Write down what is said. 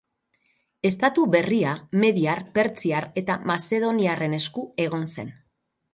Estatu berria mediar, persiar eta mazedoniarren esku egon zen.